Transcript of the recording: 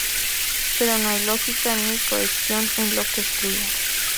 Pero no hay lógica ni cohesión en lo que escriben".